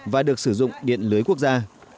và được sử dụng điện lưới quốc gia